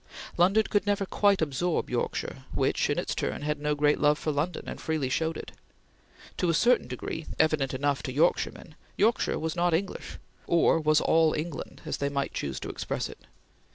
London could never quite absorb Yorkshire, which, in its turn had no great love for London and freely showed it. To a certain degree, evident enough to Yorkshiremen, Yorkshire was not English or was all England, as they might choose to express it.